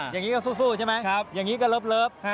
อย่างนี้ก็สู้ใช่ไหมอย่างนี้ก็เลิฟ